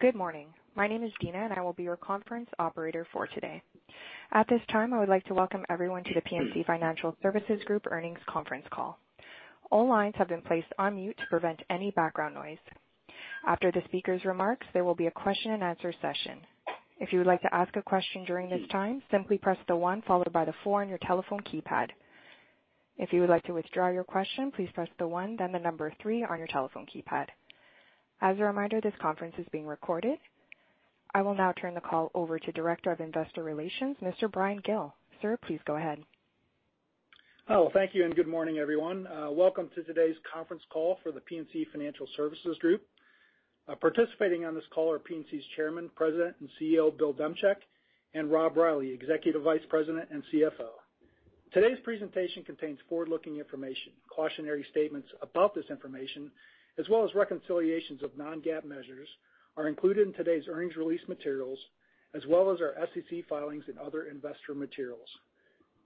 Good morning. My name is Dina, and I will be your conference operator for today. At this time, I would like to welcome everyone to The PNC Financial Services Group earnings conference call. All lines have been placed on mute to prevent any background noise. After the speaker's remarks, there will be a question and answer session. If you would like to ask a question during this time, simply press the one followed by the four on your telephone keypad. If you would like to withdraw your question, please press the one, then the number three on your telephone keypad. As a reminder, this conference is being recorded. I will now turn the call over to Director of Investor Relations, Mr. Bryan Gill. Sir, please go ahead. Hello. Thank you and good morning, everyone. Welcome to today's conference call for The PNC Financial Services Group. Participating on this call are PNC's Chairman, President, and CEO, Bill Demchak, and Rob Reilly, Executive Vice President and CFO. Today's presentation contains forward-looking information, cautionary statements about this information, as well as reconciliations of non-GAAP measures are included in today's earnings release materials, as well as our SEC filings and other investor materials.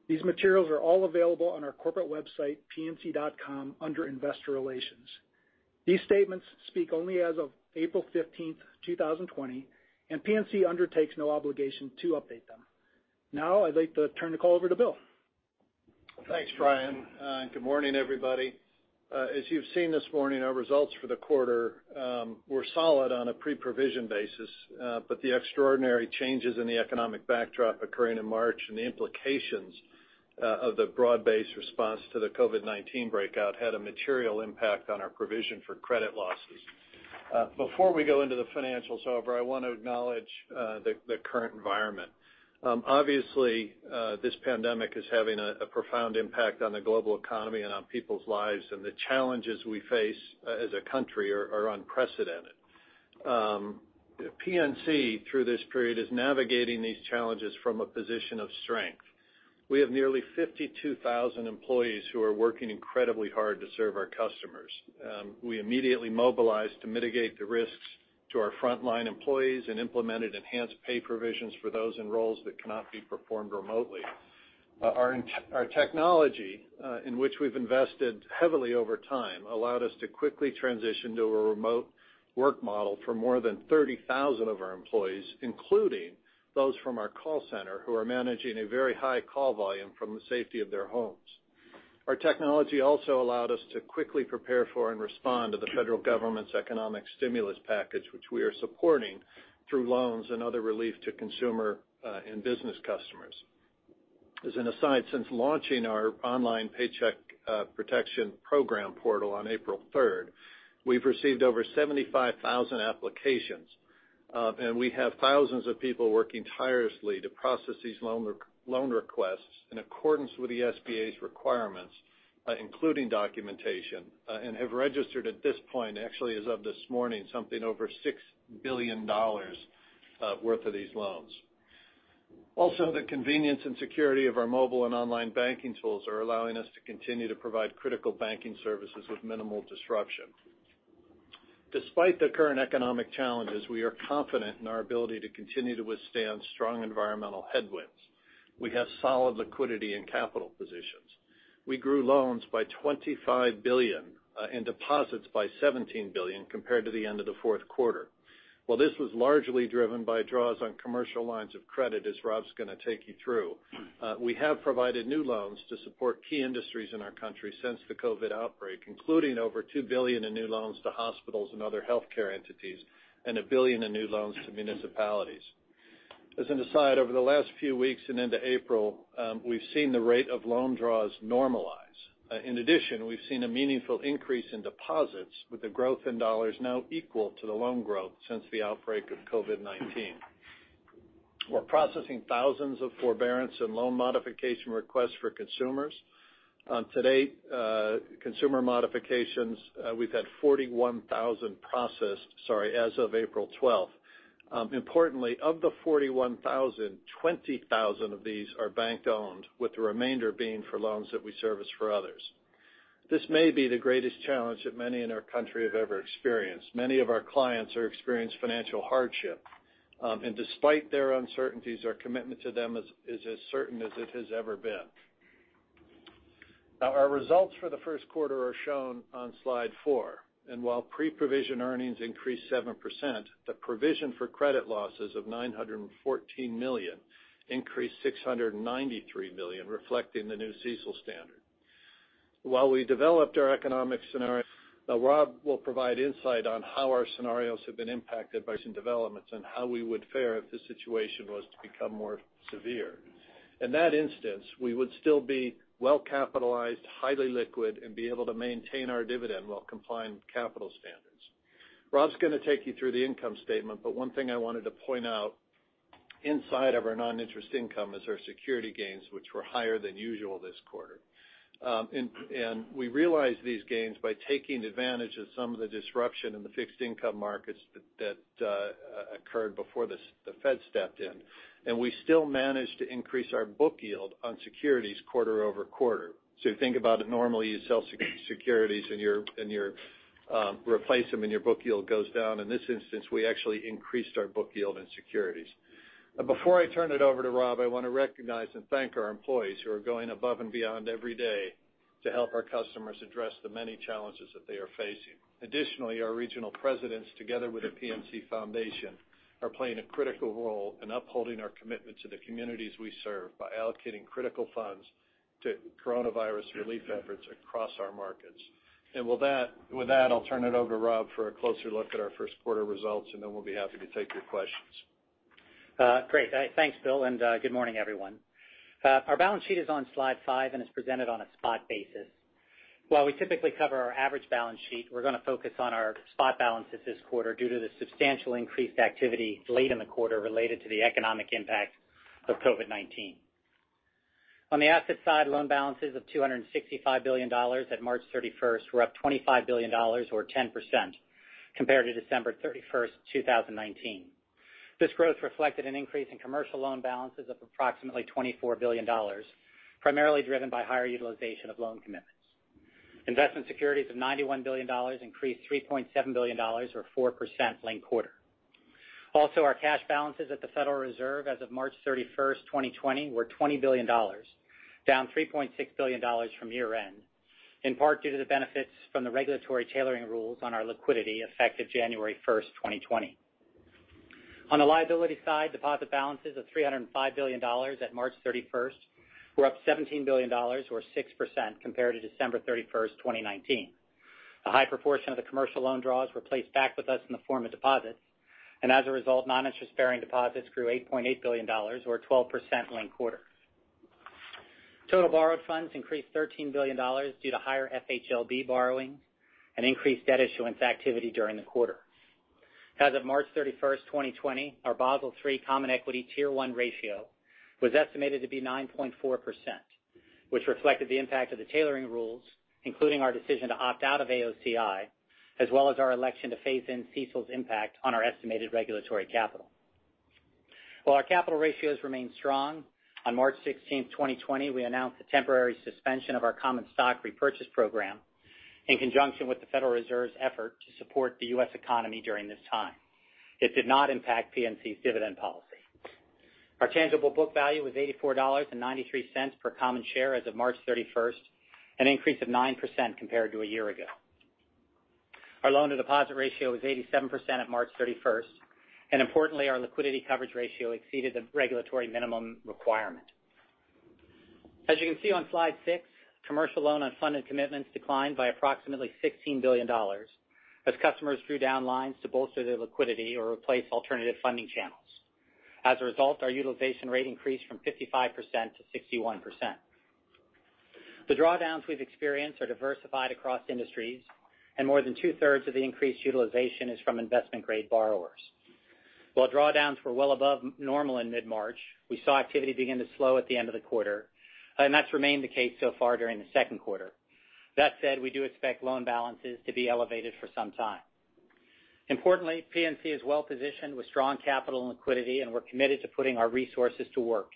These materials are all available on our corporate website, pnc.com, under Investor Relations. These statements speak only as of April 15th, 2020, and PNC undertakes no obligation to update them. Now I'd like to turn the call over to Bill. Thanks, Bryan. Good morning, everybody. As you've seen this morning, our results for the quarter were solid on a pre-provision basis, but the extraordinary changes in the economic backdrop occurring in March and the implications of the broad-based response to the COVID-19 breakout had a material impact on our provision for credit losses. Before we go into the financials, however, I want to acknowledge the current environment. Obviously, this pandemic is having a profound impact on the global economy and on people's lives, and the challenges we face as a country are unprecedented. PNC, through this period, is navigating these challenges from a position of strength. We have nearly 52,000 employees who are working incredibly hard to serve our customers. We immediately mobilized to mitigate the risks to our frontline employees and implemented enhanced pay provisions for those in roles that cannot be performed remotely. Our technology, in which we've invested heavily over time, allowed us to quickly transition to a remote work model for more than 30,000 of our employees, including those from our call center who are managing a very high call volume from the safety of their homes. Our technology also allowed us to quickly prepare for and respond to the federal government's economic stimulus package, which we are supporting through loans and other relief to consumer and business customers. As an aside, since launching our online Paycheck Protection Program portal on April 3rd, we've received over 75,000 applications, and we have thousands of people working tirelessly to process these loan requests in accordance with the SBA's requirements, including documentation, and have registered at this point, actually as of this morning, something over $6 billion worth of these loans. The convenience and security of our mobile and online banking tools are allowing us to continue to provide critical banking services with minimal disruption. Despite the current economic challenges, we are confident in our ability to continue to withstand strong environmental headwinds. We have solid liquidity and capital positions. We grew loans by $25 billion and deposits by $17 billion compared to the end of the fourth quarter. While this was largely driven by draws on commercial lines of credit, as Rob's going to take you through, we have provided new loans to support key industries in our country since the COVID outbreak, including over $2 billion in new loans to hospitals and other healthcare entities, and $1 billion in new loans to municipalities. As an aside, over the last few weeks and into April, we've seen the rate of loan draws normalize. We've seen a meaningful increase in deposits, with the growth in dollars now equal to the loan growth since the outbreak of COVID-19. We're processing thousands of forbearance and loan modification requests for consumers. To date, consumer modifications, we've had 41,000 processed, sorry, as of April 12th. Of the 41,000, 20,000 of these are bank-owned, with the remainder being for loans that we service for others. This may be the greatest challenge that many in our country have ever experienced. Many of our clients are experienced financial hardship. Despite their uncertainties, our commitment to them is as certain as it has ever been. Our results for the first quarter are shown on slide four, and while pre-provision earnings increased 7%, the provision for credit losses of $914 million increased $693 million, reflecting the new CECL standard. While we developed our economic scenario, Rob will provide insight on how our scenarios have been impacted by some developments and how we would fare if the situation was to become more severe. In that instance, we would still be well capitalized, highly liquid, and be able to maintain our dividend while complying with capital standards. Rob's going to take you through the income statement, but one thing I wanted to point out inside of our non-interest income is our security gains, which were higher than usual this quarter. We realized these gains by taking advantage of some of the disruption in the fixed income markets that occurred before the Fed stepped in, and we still managed to increase our book yield on securities quarter-over-quarter. Think about it, normally you sell securities, and you replace them, and your book yield goes down. In this instance, we actually increased our book yield in securities. Before I turn it over to Rob, I want to recognize and thank our employees who are going above and beyond every day to help our customers address the many challenges that they are facing. Additionally, our regional presidents, together with the PNC Foundation, are playing a critical role in upholding our commitment to the communities we serve by allocating critical funds to coronavirus relief efforts across our markets. With that, I'll turn it over to Rob for a closer look at our first quarter results, and then we'll be happy to take your questions. Great. Thanks, Bill, and good morning, everyone. Our balance sheet is on slide five and is presented on a spot basis. While we typically cover our average balance sheet, we're going to focus on our spot balances this quarter due to the substantial increased activity late in the quarter related to the economic impact of COVID-19. On the asset side, loan balances of $265 billion at March 31st were up $25 billion or 10% compared to December 31st, 2019. This growth reflected an increase in commercial loan balances of approximately $24 billion, primarily driven by higher utilization of loan commitments. Investment securities of $91 billion increased $3.7 billion or 4% linked quarter. Also, our cash balances at the Federal Reserve as of March 31st, 2020, were $20 billion, down $3.6 billion from year-end, in part due to the benefits from the regulatory tailoring rules on our liquidity effective January 1st, 2020. On the liability side, deposit balances of $305 billion at March 31st were up $17 billion or 6% compared to December 31st, 2019. As a result, non-interest-bearing deposits grew $8.8 billion or 12% linked quarter. Total borrowed funds increased $13 billion due to higher FHLB borrowing and increased debt issuance activity during the quarter. As of March 31st, 2020, our Basel III Common Equity Tier 1 ratio was estimated to be 9.4%, which reflected the impact of the tailoring rules, including our decision to opt out of AOCI, as well as our election to phase in CECL's impact on our estimated regulatory capital. While our capital ratios remain strong, on March 16th, 2020, we announced the temporary suspension of our common stock repurchase program in conjunction with the Federal Reserve's effort to support the U.S. economy during this time. It did not impact PNC's dividend policy. Our tangible book value was $84.93 per common share as of March 31st, an increase of 9% compared to a year ago. Our loan-to-deposit ratio was 87% at March 31st, and importantly, our liquidity coverage ratio exceeded the regulatory minimum requirement. As you can see on slide six, commercial loan unfunded commitments declined by approximately $16 billion as customers drew down lines to bolster their liquidity or replace alternative funding channels. As a result, our utilization rate increased from 55%-61%. The drawdowns we've experienced are diversified across industries, and more than 2/3 of the increased utilization is from investment-grade borrowers. While drawdowns were well above normal in mid-March, we saw activity begin to slow at the end of the quarter, and that's remained the case so far during the second quarter. That said, we do expect loan balances to be elevated for some time. Importantly, PNC is well-positioned with strong capital and liquidity, and we're committed to putting our resources to work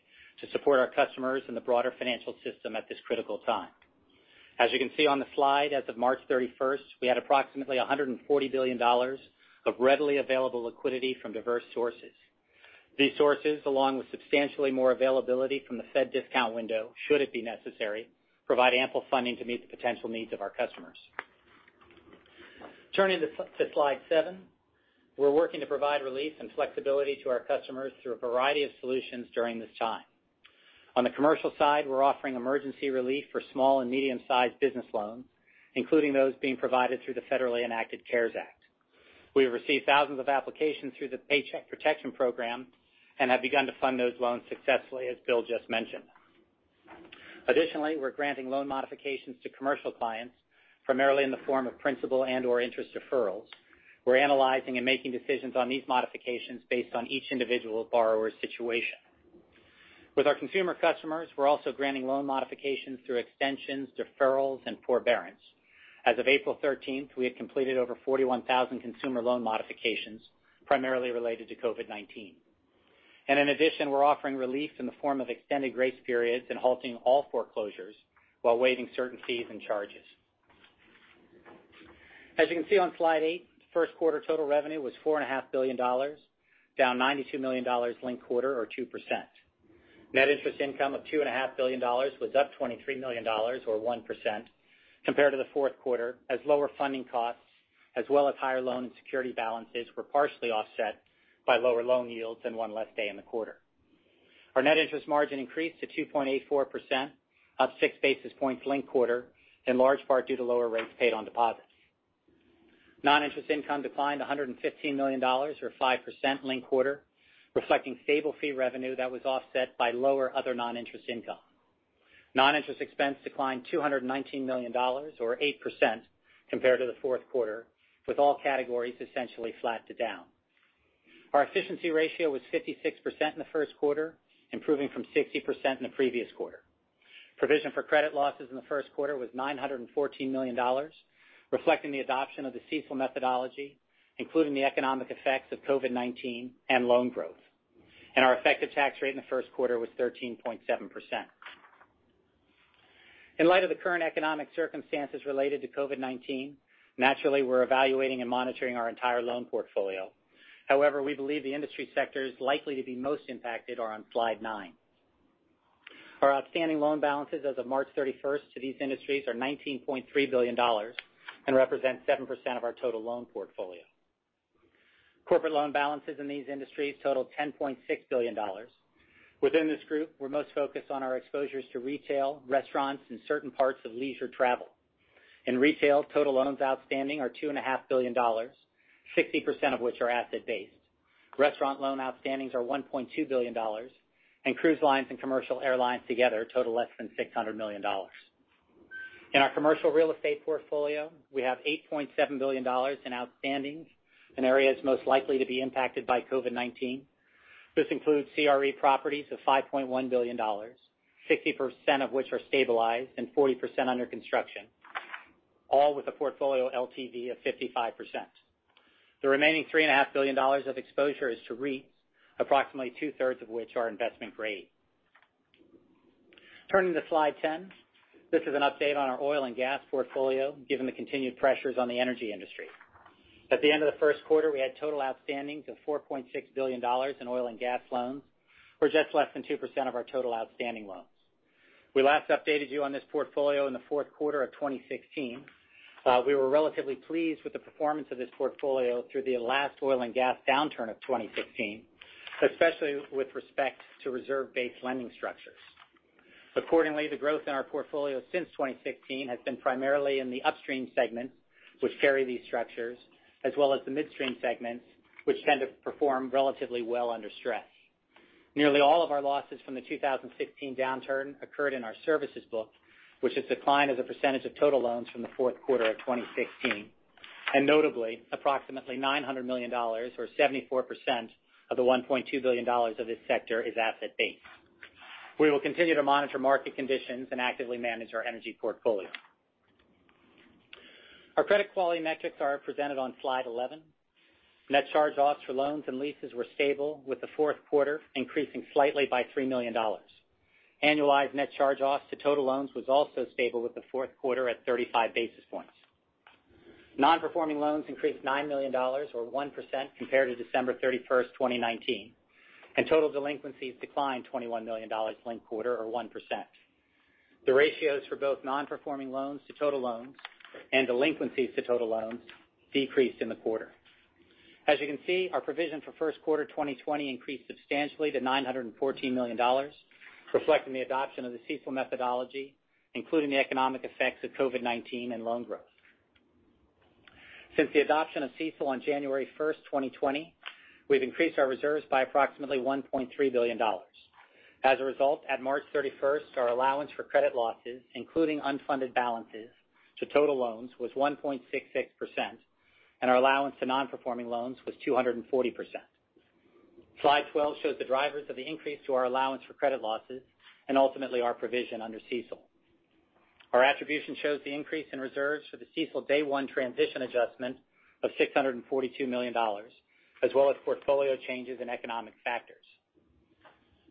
to support our customers and the broader financial system at this critical time. As you can see on the slide, as of March 31st, we had approximately $140 billion of readily available liquidity from diverse sources. These sources, along with substantially more availability from the Fed discount window, should it be necessary, provide ample funding to meet the potential needs of our customers. Turning to slide seven, we're working to provide relief and flexibility to our customers through a variety of solutions during this time. On the commercial side, we're offering emergency relief for small and medium-sized business loans, including those being provided through the federally enacted CARES Act. We have received thousands of applications through the Paycheck Protection Program and have begun to fund those loans successfully, as Bill just mentioned. Additionally, we're granting loan modifications to commercial clients, primarily in the form of principal and/or interest deferrals. We're analyzing and making decisions on these modifications based on each individual borrower's situation. With our consumer customers, we're also granting loan modifications through extensions, deferrals, and forbearance. As of April 13th, we had completed over 41,000 consumer loan modifications, primarily related to COVID-19. In addition, we're offering relief in the form of extended grace periods and halting all foreclosures while waiving certain fees and charges. As you can see on slide eight, first quarter total revenue was $4.5 billion, down $92 million linked quarter or 2%. Net interest income of $2.5 billion was up $23 million or 1% compared to the fourth quarter, as lower funding costs as well as higher loan and security balances were partially offset by lower loan yields and one less day in the quarter. Our net interest margin increased to 2.84%, up six basis points linked quarter, in large part due to lower rates paid on deposits. Non-interest income declined $115 million or 5% linked quarter, reflecting stable fee revenue that was offset by lower other non-interest income. Non-interest expense declined $219 million or 8% compared to the fourth quarter, with all categories essentially flat to down. Our efficiency ratio was 56% in the first quarter, improving from 60% in the previous quarter. Provision for credit losses in the first quarter was $914 million, reflecting the adoption of the CECL methodology, including the economic effects of COVID-19 and loan growth. Our effective tax rate in the first quarter was 13.7%. In light of the current economic circumstances related to COVID-19. Naturally, we're evaluating and monitoring our entire loan portfolio. However, we believe the industry sector is likely to be most impacted are on slide nine. Our outstanding loan balances as of March 31st to these industries are $19.3 billion and represent 7% of our total loan portfolio. Corporate loan balances in these industries total $10.6 billion. Within this group, we're most focused on our exposures to retail, restaurants, and certain parts of leisure travel. In retail, total loans outstanding are $2.5 billion, 60% of which are asset-based. Restaurant loan outstandings are $1.2 billion, and cruise lines and commercial airlines together total less than $600 million. In our commercial real estate portfolio, we have $8.7 billion in outstandings in areas most likely to be impacted by COVID-19. This includes CRE properties of $5.1 billion, 60% of which are stabilized and 40% under construction, all with a portfolio LTV of 55%. The remaining $3.5 billion of exposure is to REITs, approximately two-thirds of which are investment grade. Turning to slide 10. This is an update on our oil and gas portfolio, given the continued pressures on the energy industry. At the end of the first quarter, we had total outstandings of $4.6 billion in oil and gas loans. We're just less than 2% of our total outstanding loans. We last updated you on this portfolio in the fourth quarter of 2016. We were relatively pleased with the performance of this portfolio through the last oil and gas downturn of 2016, especially with respect to reserve-based lending structures. Accordingly, the growth in our portfolio since 2016 has been primarily in the upstream segments, which carry these structures, as well as the midstream segments, which tend to perform relatively well under stress. Nearly all of our losses from the 2016 downturn occurred in our services book, which has declined as a percentage of total loans from the fourth quarter of 2016, and notably, approximately $900 million or 74% of the $1.2 billion of this sector is asset based. We will continue to monitor market conditions and actively manage our energy portfolio. Our credit quality metrics are presented on slide 11. Net charge-offs for loans and leases were stable with the fourth quarter increasing slightly by $3 million. Annualized net charge-offs to total loans was also stable with the fourth quarter at 35 basis points. Non-performing loans increased $9 million or 1% compared to December 31st, 2019. Total delinquencies declined $21 million linked quarter or 1%. The ratios for both non-performing loans to total loans and delinquencies to total loans decreased in the quarter. As you can see, our provision for first quarter 2020 increased substantially to $914 million, reflecting the adoption of the CECL methodology, including the economic effects of COVID-19 and loan growth. Since the adoption of CECL on January 1st, 2020, we've increased our reserves by approximately $1.3 billion. As a result, at March 31st, our allowance for credit losses, including unfunded balances to total loans, was 1.66%, and our allowance to non-performing loans was 240%. Slide 12 shows the drivers of the increase to our allowance for credit losses and ultimately our provision under CECL. Our attribution shows the increase in reserves for the CECL day one transition adjustment of $642 million, as well as portfolio changes and economic factors.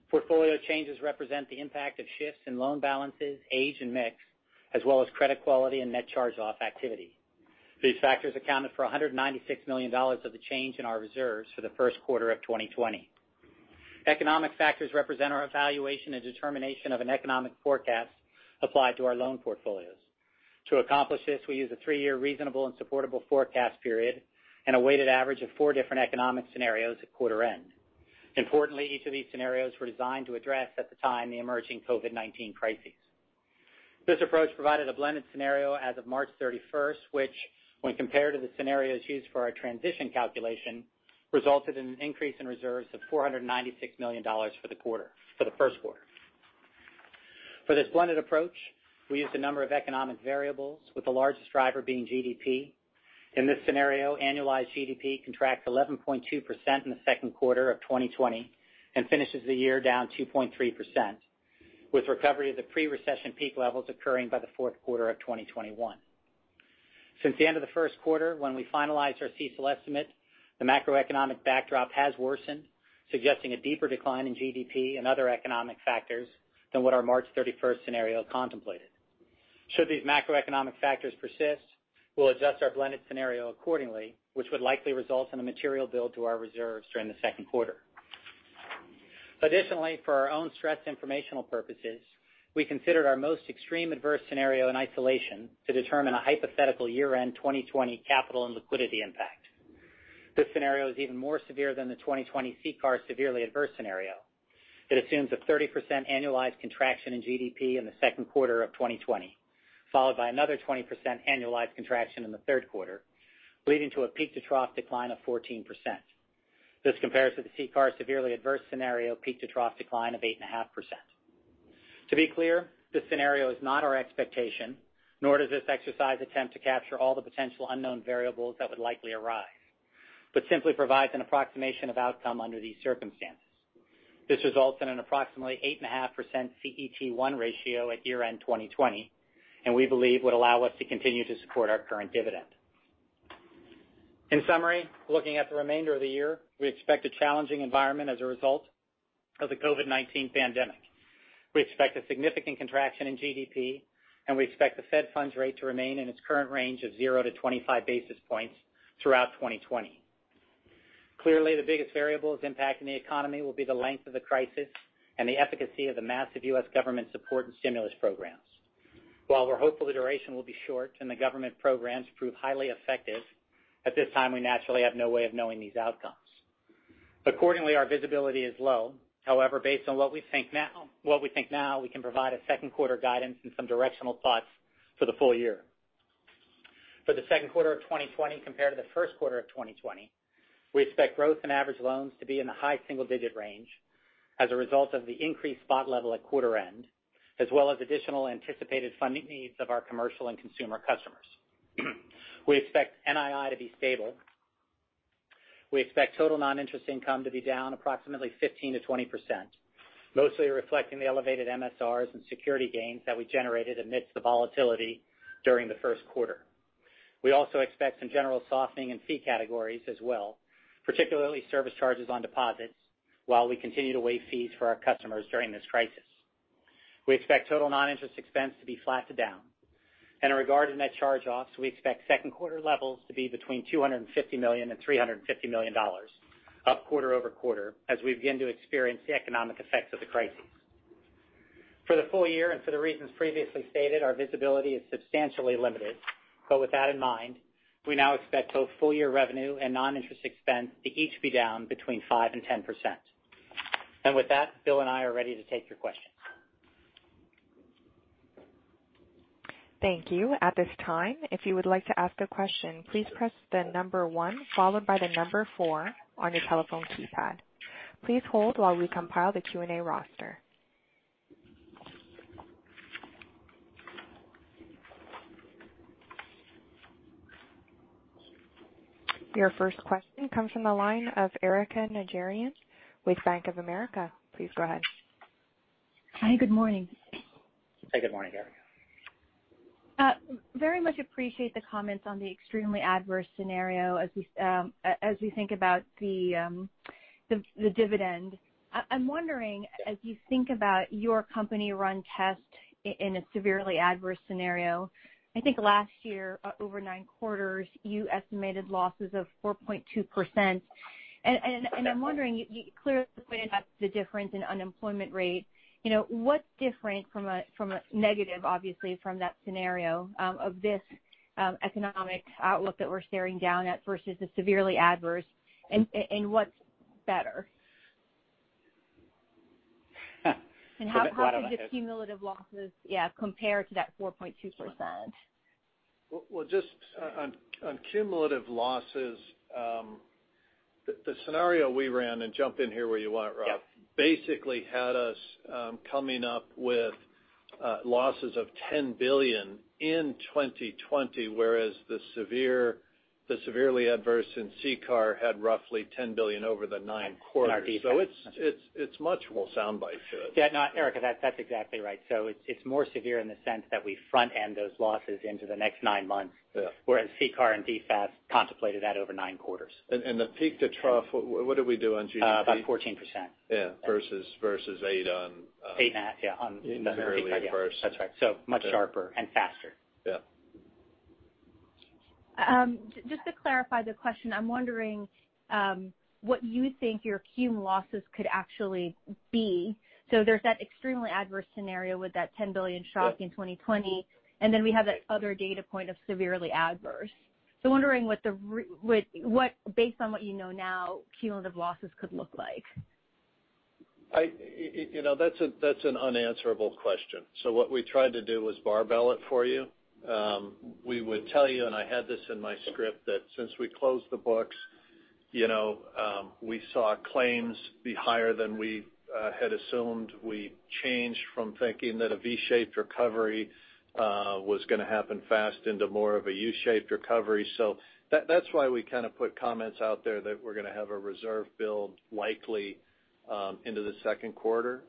Portfolio changes represent the impact of shifts in loan balances, age, and mix, as well as credit quality and net charge-off activity. These factors accounted for $196 million of the change in our reserves for the first quarter of 2020. Economic factors represent our evaluation and determination of an economic forecast applied to our loan portfolios. To accomplish this, we use a three-year reasonable and supportable forecast period and a weighted average of four different economic scenarios at quarter end. Importantly, each of these scenarios were designed to address at the time the emerging COVID-19 crisis. This approach provided a blended scenario as of March 31st, which when compared to the scenarios used for our transition calculation, resulted in an increase in reserves of $496 million for the first quarter. For this blended approach, we used a number of economic variables with the largest driver being GDP. In this scenario, annualized GDP contracts 11.2% in the second quarter of 2020 and finishes the year down 2.3%, with recovery of the pre-recession peak levels occurring by the fourth quarter of 2021. Since the end of the first quarter when we finalized our CECL estimate, the macroeconomic backdrop has worsened, suggesting a deeper decline in GDP and other economic factors than what our March 31st scenario contemplated. Should these macroeconomic factors persist, we'll adjust our blended scenario accordingly, which would likely result in a material build to our reserves during the second quarter. Additionally, for our own stress informational purposes, we considered our most extreme adverse scenario in isolation to determine a hypothetical year-end 2020 capital and liquidity impact. This scenario is even more severe than the 2020 CCAR severely adverse scenario. It assumes a 30% annualized contraction in GDP in the second quarter of 2020, followed by another 20% annualized contraction in the third quarter, leading to a peak to trough decline of 14%. This compares to the CCAR severely adverse scenario peak to trough decline of 8.5%. To be clear, this scenario is not our expectation, nor does this exercise attempt to capture all the potential unknown variables that would likely arise, but simply provides an approximation of outcome under these circumstances. This results in an approximately 8.5% CET1 ratio at year-end 2020, and we believe would allow us to continue to support our current dividend. In summary, looking at the remainder of the year, we expect a challenging environment as a result of the COVID-19 pandemic. We expect a significant contraction in GDP, and we expect the Fed funds rate to remain in its current range of 0-25 basis points throughout 2020. Clearly, the biggest variables impacting the economy will be the length of the crisis and the efficacy of the massive U.S. government support and stimulus programs. While we're hopeful the duration will be short and the government programs prove highly effective, at this time, we naturally have no way of knowing these outcomes. Accordingly, our visibility is low. Based on what we think now, we can provide a second quarter guidance and some directional thoughts for the full year. For the second quarter of 2020 compared to the first quarter of 2020, we expect growth in average loans to be in the high single-digit range as a result of the increased spot level at quarter end, as well as additional anticipated funding needs of our commercial and consumer customers. We expect NII to be stable. We expect total non-interest income to be down approximately 15%-20%, mostly reflecting the elevated MSRs and security gains that we generated amidst the volatility during the first quarter. We also expect some general softening in fee categories as well, particularly service charges on deposits, while we continue to waive fees for our customers during this crisis. We expect total non-interest expense to be flat to down. In regard to net charge-offs, we expect second quarter levels to be between $250 million and $350 million, up quarter-over-quarter, as we begin to experience the economic effects of the crisis. For the full year and for the reasons previously stated, our visibility is substantially limited. With that in mind, we now expect both full-year revenue and non-interest expense to each be down between 5% and 10%. With that, Bill and I are ready to take your questions. Thank you. At this time, if you would like to ask a question, please press the number one followed by the number four on your telephone keypad. Please hold while we compile the Q&A roster. Your first question comes from the line of Erika Najarian with Bank of America. Please go ahead. Hi, good morning. Hey, good morning, Erika. Very much appreciate the comments on the extremely adverse scenario as we think about the dividend. I'm wondering, as you think about your company run test in a severely adverse scenario, I think last year, over nine quarters, you estimated losses of 4.2%. I'm wondering, you clearly pointed out the difference in unemployment rate. What's different from a negative, obviously, from that scenario of this economic outlook that we're staring down at versus the severely adverse and what's better? I haven't thought about this. How could the cumulative losses compare to that 4.2%? Well, just on cumulative losses, the scenario we ran. Jump in here where you want, Rob. Yep. Basically had us coming up with losses of $10 billion in 2020, whereas the severely adverse in CCAR had roughly $10 billion over the nine quarters. In our defense. It's much more soundbite. Yeah. No, Erika, that's exactly right. It's more severe in the sense that we front end those losses into the next nine months. Yeah. Whereas CCAR and DFAST contemplated that over nine quarters. The peak to trough, what did we do on GDP? About 14%. Yeah. Versus eight on. Eight and a half, yeah. Severely adverse. That's right. Much sharper and faster. Yeah. Just to clarify the question, I'm wondering what you think your cumulative losses could actually be. There's that extremely adverse scenario with that $10 billion shock in 2020, and then we have that other data point of severely adverse. I'm wondering what, based on what you know now, cumulative losses could look like. That's an unanswerable question. What we tried to do was barbell it for you. We would tell you, and I had this in my script, that since we closed the books, we saw claims be higher than we had assumed. We changed from thinking that a V-shaped recovery was going to happen fast into more of a U-shaped recovery. That's why we kind of put comments out there that we're going to have a reserve build likely into the second quarter.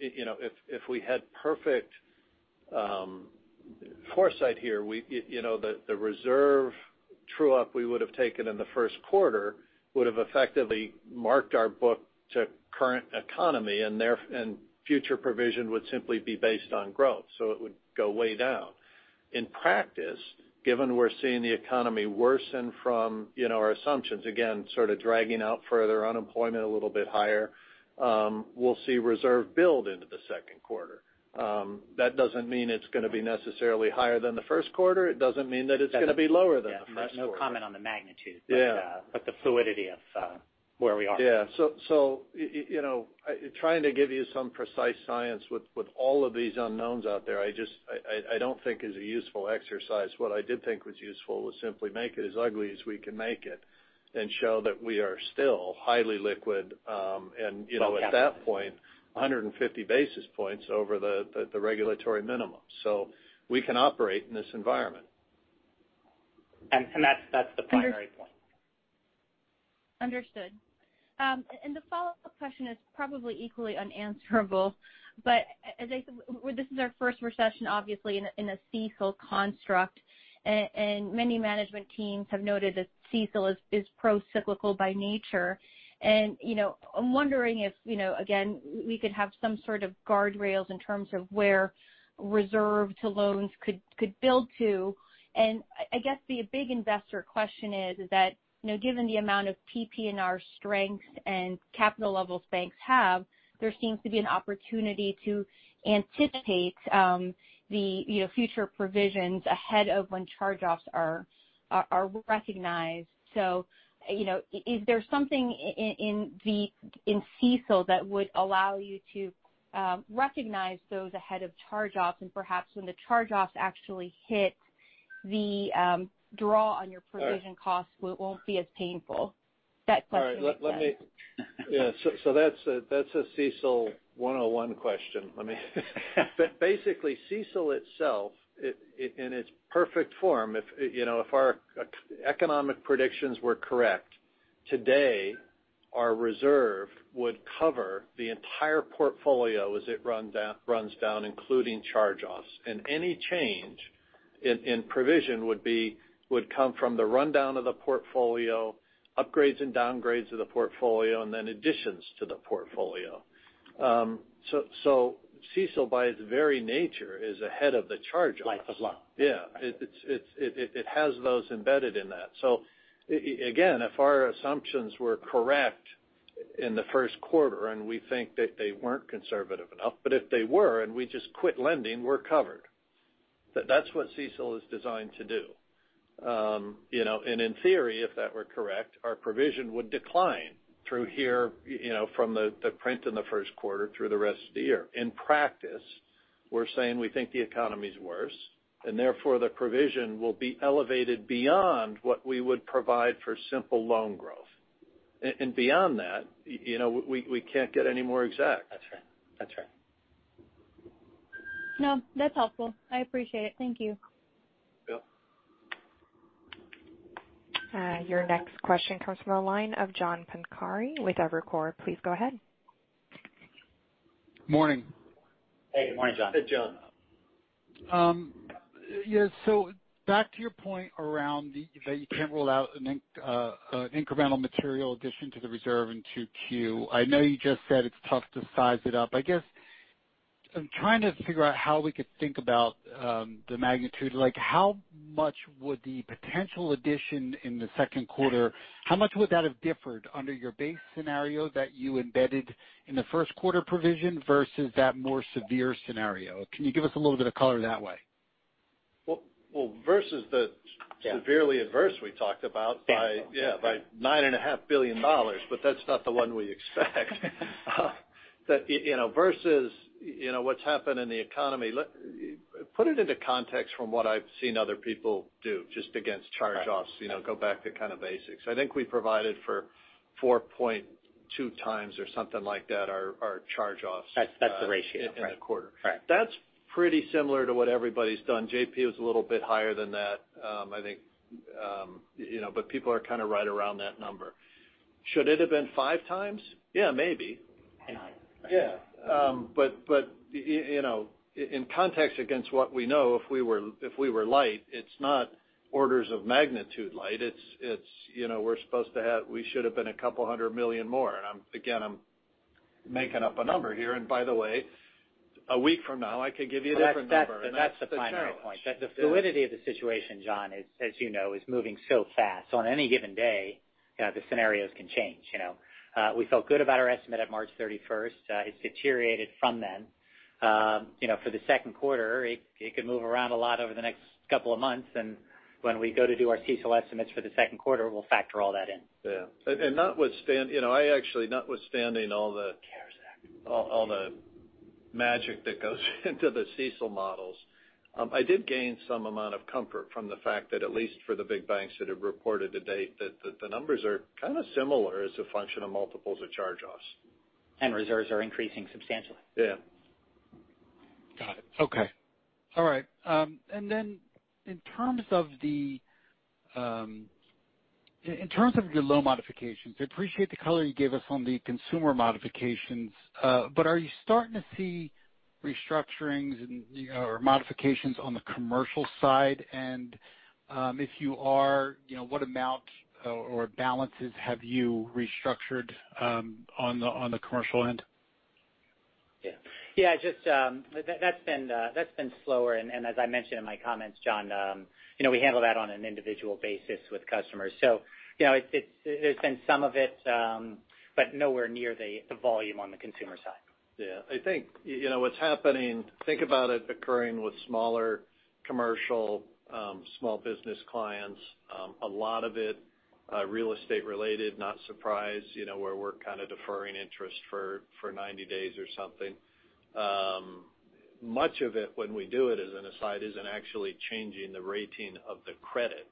If we had perfect foresight here, the reserve true-up we would have taken in the first quarter would have effectively marked our book to current economy and future provision would simply be based on growth. It would go way down. In practice, given we're seeing the economy worsen from our assumptions, again, sort of dragging out further unemployment a little bit higher, we'll see reserve build into the second quarter. That doesn't mean it's going to be necessarily higher than the first quarter. It doesn't mean that it's going to be lower than the first quarter. Yeah. No comment on the magnitude. Yeah. The fluidity of where we are. Yeah. Trying to give you some precise science with all of these unknowns out there, I don't think is a useful exercise. What I did think was useful was simply make it as ugly as we can make it and show that we are still highly liquid. Well-capitalized. At that point, 150 basis points over the regulatory minimum. We can operate in this environment. That's the primary point. Understood. The follow-up question is probably equally unanswerable, as I said, this is our first recession, obviously, in a CECL construct. Many management teams have noted that CECL is pro-cyclical by nature. I'm wondering if, again, we could have some sort of guardrails in terms of where reserve to loans could build to. I guess the big investor question is that, given the amount of PPNR strength and capital levels banks have, there seems to be an opportunity to anticipate the future provisions ahead of when charge-offs are recognized. Is there something in CECL that would allow you to recognize those ahead of charge-offs and perhaps when the charge-offs actually hit, the draw on your provision costs won't be as painful? That question makes sense. All right. Let me Yeah. That's a CECL 101 question. Basically, CECL itself, in its perfect form, if our economic predictions were correct, today, our reserve would cover the entire portfolio as it runs down, including charge-offs. Any change in provision would come from the rundown of the portfolio, upgrades and downgrades of the portfolio, and then additions to the portfolio. CECL, by its very nature, is ahead of the charge-offs. Life of loan. It has those embedded in that. Again, if our assumptions were correct in the first quarter, and we think that they weren't conservative enough, but if they were and we just quit lending, we're covered. That's what CECL is designed to do. In theory, if that were correct, our provision would decline through here, from the print in the first quarter through the rest of the year. In practice, we're saying we think the economy's worse, and therefore the provision will be elevated beyond what we would provide for simple loan growth. Beyond that, we can't get any more exact. That's right. No, that's helpful. I appreciate it. Thank you. Yep. Your next question comes from the line of John Pancari with Evercore. Please go ahead. Morning. Hey, good morning, John. Hey, John. Yeah. Back to your point around the, that you can't rule out an incremental material addition to the reserve in 2Q. I know you just said it's tough to size it up. I guess, I'm trying to figure out how we could think about the magnitude. How much would the potential addition in the second quarter, how much would that have differed under your base scenario that you embedded in the first quarter provision versus that more severe scenario? Can you give us a little bit of color that way? Well, versus the severely adverse we talked about. Yeah. By nine and a half billion dollars, but that's not the one we expect. Versus what's happened in the economy. Put it into context from what I've seen other people do just against charge-offs. Go back to kind of basics. I think we provided for 4.2 times or something like that our charge-offs. That's the ratio. In the quarter. Correct. That's pretty similar to what everybody's done. JPM was a little bit higher than that, I think. People are kind of right around that number. Should it have been five times? Yeah, maybe. Nine. Yeah. In context against what we know, if we were light, it's not orders of magnitude light, we should've been a couple $200 million more. Again, I'm making up a number here. By the way, a week from now, I could give you a different number. That's the challenge. That's the primary point. The fluidity of the situation, John, as you know, is moving so fast. On any given day, the scenarios can change. We felt good about our estimate at March 31st. It's deteriorated from then. For the second quarter, it could move around a lot over the next couple of months, and when we go to do our CECL estimates for the second quarter, we'll factor all that in. Yeah. I actually, notwithstanding all the magic that goes into the CECL models, I did gain some amount of comfort from the fact that at least for the big banks that have reported to date, that the numbers are kind of similar as a function of multiples of charge-offs. Reserves are increasing substantially. Yeah. Got it. Okay. All right. In terms of your loan modifications, I appreciate the color you gave us on the consumer modifications. Are you starting to see restructurings or modifications on the commercial side? If you are, what amount or balances have you restructured on the commercial end? Yeah. That's been slower. As I mentioned in my comments, John, we handle that on an individual basis with customers. There's been some of it, but nowhere near the volume on the consumer side. Yeah. I think what's happening, think about it occurring with smaller commercial, small business clients. A lot of it real estate related, not surprised, where we're kind of deferring interest for 90 days or something. Much of it when we do it as an aside isn't actually changing the rating of the credit.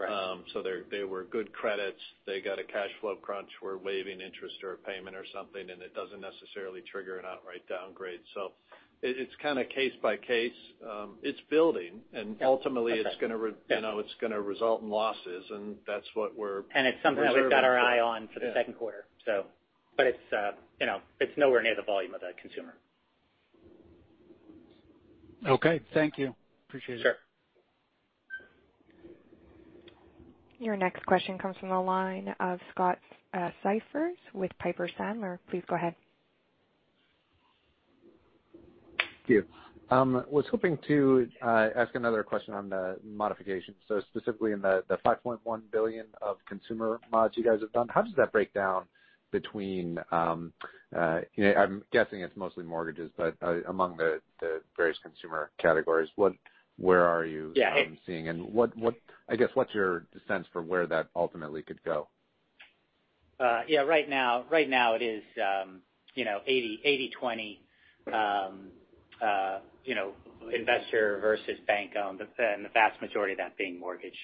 Correct. They were good credits. They got a cash flow crunch. We're waiving interest or a payment or something, and it doesn't necessarily trigger an outright downgrade. It's kind of case by case. Yeah. It's going to result in losses, and that's what we're reserving for. It's something that we've got our eye on for the second quarter. It's nowhere near the volume of the consumer. Okay. Thank you. Appreciate it. Sure. Your next question comes from the line of Scott Siefers with Piper Sandler. Please go ahead. Thank you. I was hoping to ask another question on the modification. Specifically in the $5.1 billion of consumer mods you guys have done, how does that break down between, I'm guessing it's mostly mortgages, but among the various consumer categories, where are you? Yeah. Seeing, and I guess, what's your sense for where that ultimately could go? Yeah. Right now it is 80/20 investor versus bank-owned, and the vast majority of that being mortgage.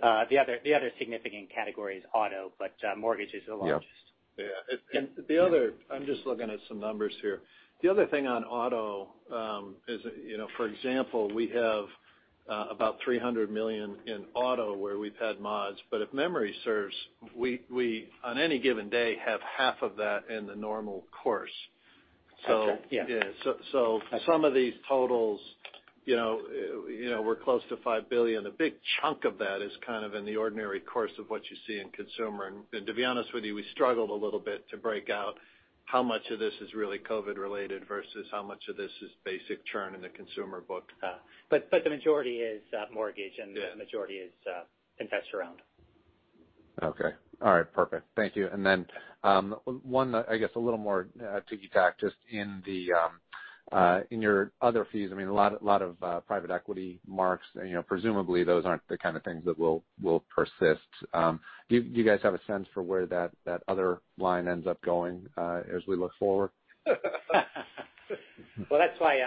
The other significant category is auto, but mortgage is the largest. Yeah. The other, I'm just looking at some numbers here. The other thing on auto is for example, we have about $300 million in auto where we've had mods, but if memory serves, we, on any given day, have half of that in the normal course. That's right. Yeah. Yeah. Some of these totals, we're close to $5 billion. A big chunk of that is kind of in the ordinary course of what you see in consumer. To be honest with you, we struggled a little bit to break out how much of this is really COVID related versus how much of this is basic churn in the consumer book. The majority is mortgage. Yeah. The majority is investor-owned. Okay. All right. Perfect. Thank you. Then one, I guess, a little more ticky-tacky just in your other fees. A lot of private equity marks. Presumably those aren't the kind of things that will persist. Do you guys have a sense for where that other line ends up going as we look forward? Well, that's why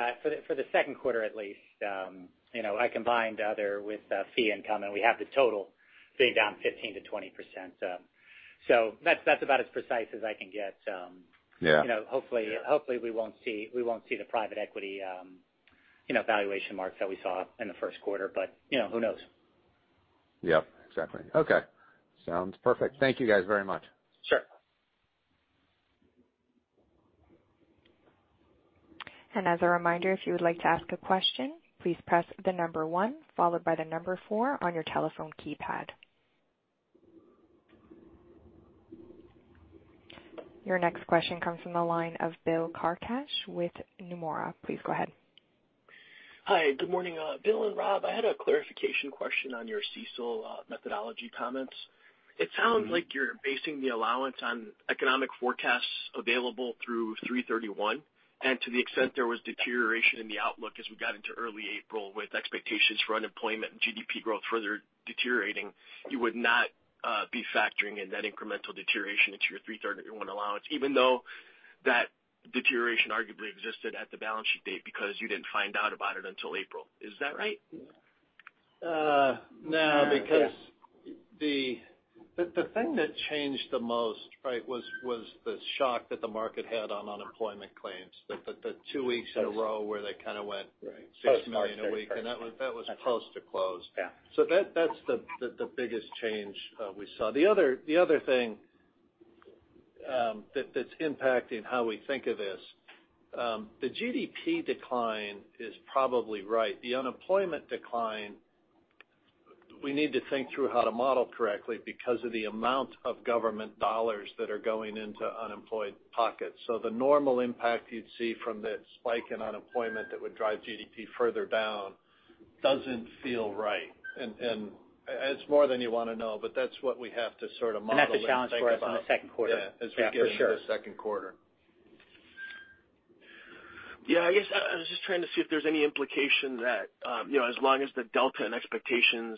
for the second quarter at least, I combined other with fee income, and we have the total being down 15%-20%. That's about as precise as I can get. Yeah. Hopefully we won't see the private equity valuation marks that we saw in the first quarter. Who knows? Yep. Exactly. Okay. Sounds perfect. Thank you guys very much. Sure. As a reminder, if you would like to ask a question, please press the number one followed by the number four on your telephone keypad. Your next question comes from the line of Bill Carcache with Nomura. Please go ahead. Hi. Good morning, Bill and Rob. I had a clarification question on your CECL methodology comments. It sounds like you're basing the allowance on economic forecasts available through 3/31. To the extent there was deterioration in the outlook as we got into early April with expectations for unemployment and GDP growth further deteriorating, you would not be factoring in that incremental deterioration into your 3/31 allowance, even though that deterioration arguably existed at the balance sheet date because you didn't find out about it until April. Is that right? No, the thing that changed the most was the shock that the market had on unemployment claims. The two weeks in a row where they kind of went $6 million a week, that was close to close. Yeah. That's the biggest change we saw. The other thing that's impacting how we think of this, the GDP decline is probably right. The unemployment decline, we need to think through how to model correctly because of the amount of government dollars that are going into unemployed pockets. The normal impact you'd see from the spike in unemployment that would drive GDP further down doesn't feel right. It's more than you want to know, but that's what we have to sort of model and think about. That's a challenge for us in the second quarter. Yeah. Yeah, for sure. As we get into the second quarter. Yeah, I guess I was just trying to see if there's any implication that as long as the delta and expectations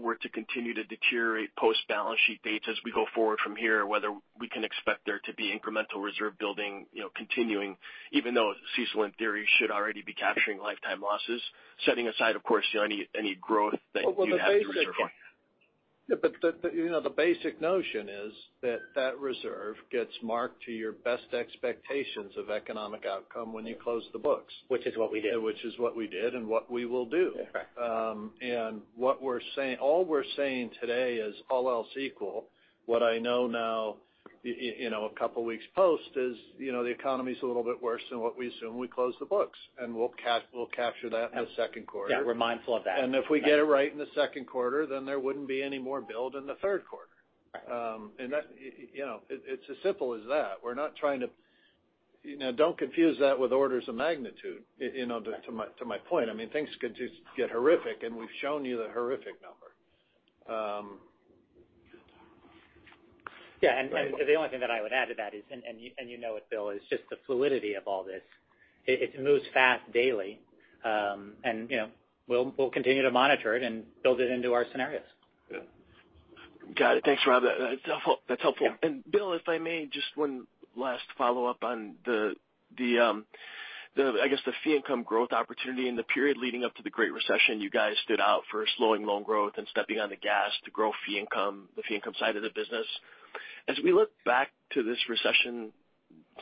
were to continue to deteriorate post balance sheet dates as we go forward from here, whether we can expect there to be incremental reserve building continuing even though CECL, in theory, should already be capturing lifetime losses, setting aside of course, any growth that you have to reserve for? Yeah, but the basic notion is that reserve gets marked to your best expectations of economic outcome when you close the books. Which is what we did. Which is what we did and what we will do. Correct. All we're saying today is all else equal. What I know now, a couple of weeks post is, the economy's a little bit worse than what we assumed when we closed the books, and we'll capture that in the second quarter. Yeah, we're mindful of that. If we get it right in the second quarter, then there wouldn't be any more build in the third quarter. Right. It's as simple as that. Don't confuse that with orders of magnitude. To my point, things could just get horrific, and we've shown you the horrific number. Yeah. The only thing that I would add to that is, and you know it, Bill, is just the fluidity of all this. It moves fast daily. We'll continue to monitor it and build it into our scenarios. Yeah. Got it. Thanks, Rob. That's helpful. Yeah. Bill, if I may, just one last follow-up on I guess the fee income growth opportunity in the period leading up to the Great Recession. You guys stood out for slowing loan growth and stepping on the gas to grow the fee income side of the business. As we look back to this recession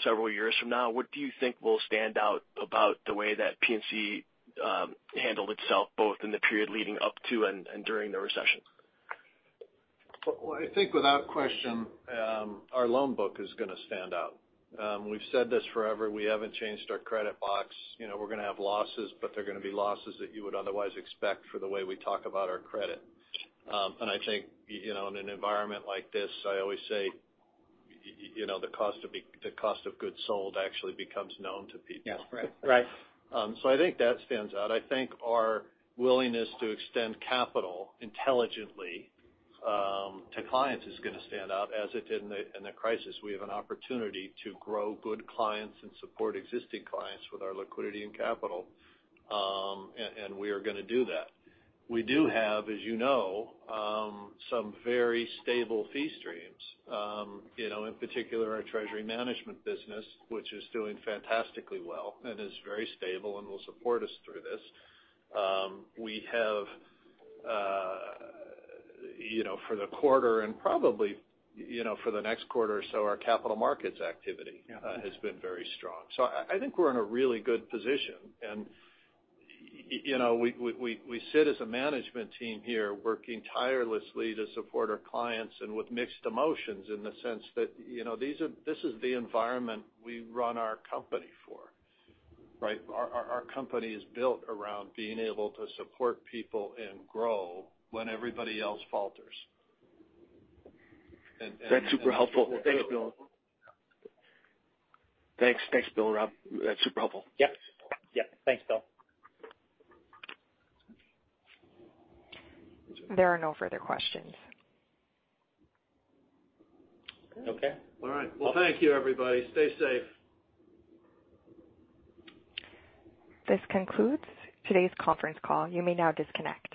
several years from now, what do you think will stand out about the way that PNC handled itself, both in the period leading up to and during the recession? I think without question, our loan book is going to stand out. We've said this forever. We haven't changed our credit box. We're going to have losses, but they're going to be losses that you would otherwise expect for the way we talk about our credit. I think in an environment like this, I always say the cost of goods sold actually becomes known to people. Yes. Right. I think that stands out. I think our willingness to extend capital intelligently to clients is going to stand out as it did in the crisis. We have an opportunity to grow good clients and support existing clients with our liquidity and capital. We are going to do that. We do have, as you know, some very stable fee streams. In particular, our treasury management business, which is doing fantastically well and is very stable and will support us through this. We have for the quarter and probably for the next quarter or so, our capital markets activity has been very strong. I think we're in a really good position. We sit as a management team here working tirelessly to support our clients and with mixed emotions in the sense that this is the environment we run our company for, right? Our company is built around being able to support people and grow when everybody else falters. That's super helpful. Thanks, Bill. Thanks, Bill and Rob. That's super helpful. Yep. Thanks, Bill. There are no further questions. Okay. All right. Well, thank you everybody. Stay safe. This concludes today's conference call. You may now disconnect.